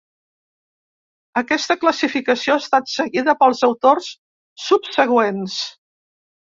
Aquesta classificació ha estat seguida pels autors subsegüents.